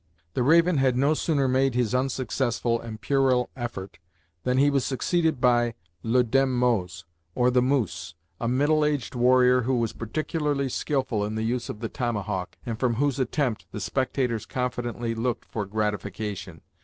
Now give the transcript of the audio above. The Raven had no sooner made his unsuccessful and puerile effort, than he was succeeded by le Daim Mose, or the Moose; a middle aged warrior who was particularly skilful in the use of the tomahawk, and from whose attempt the spectators confidently looked for gratification.